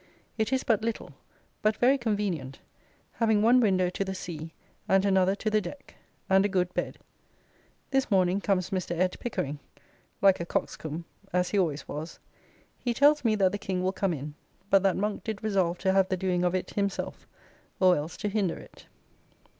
It is but little, but very convenient, having one window to the sea and another to the deck, and a good bed. This morning comes Mr. Ed. Pickering, like a coxcomb as he always was. He tells me that the King will come in, but that Monk did resolve to have the doing of it himself, or else to hinder it.